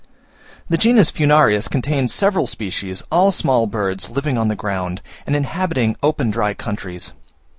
The genus Furnarius contains several species, all small birds, living on the ground, and inhabiting open dry countries.